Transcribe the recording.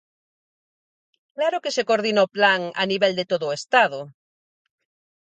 ¡Claro que se coordina o plan a nivel de todo o Estado!